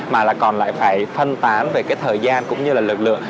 mà là còn lại phải phân tán về cái thời gian cũng như là lực lượng